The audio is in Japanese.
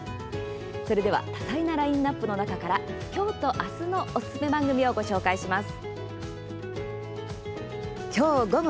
それでは、多彩なラインナップの中から今日と明日のおすすめ番組をご紹介します。